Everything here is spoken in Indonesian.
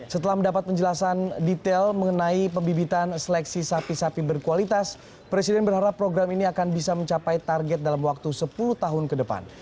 setelah mendapat penjelasan detail mengenai pembibitan seleksi sapi sapi berkualitas presiden berharap program ini akan bisa mencapai target dalam waktu sepuluh tahun ke depan